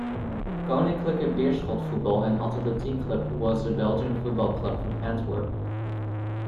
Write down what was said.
Koninklijke Beerschot Voetbal en Atletiek Club was a Belgian football club from Antwerp.